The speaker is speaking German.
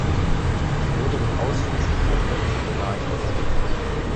Die Würde wird ausschließlich vom britischen Monarchen verliehen.